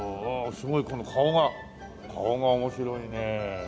すごいこの顔が顔が面白いね。